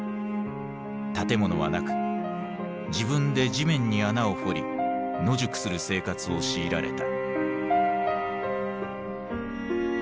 建物はなく自分で地面に穴を掘り野宿する生活を強いられた。